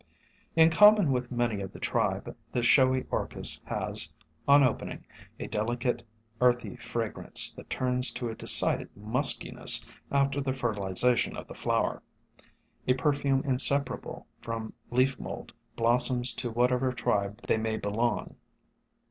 In common with many of the tribe the Showy Orchis has, on opening, a delicate earthy fragrance that turns to a decided muskiness after the fer tilization of the flower; a perfume inseparable from leaf mold blossoms to whatever tribe they may be long.